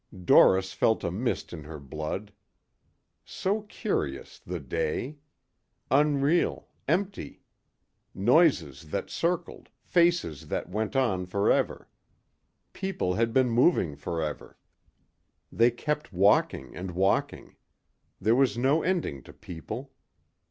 Doris felt a mist in her blood. So curious, the day. Unreal, empty. Noises that circled, faces that went on forever. People had been moving forever. They kept walking and walking. There was no ending to people.